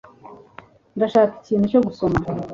ndashaka ikintu cyo gusoma